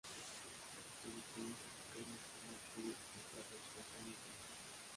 Se desconoce si Carlos Tomás pudo disfrutar de educación ulterior.